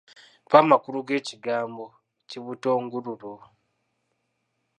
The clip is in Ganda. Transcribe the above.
Mpa amakulu g'ekigambo kibutongululu.